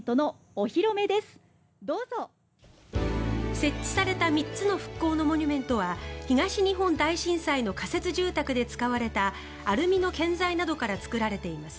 設置された３つの復興のモニュメントは東日本大震災の仮設住宅で使われたアルミの建材などから作られています。